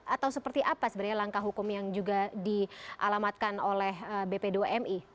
atau seperti apa sebenarnya langkah hukum yang juga dialamatkan oleh bp dua mi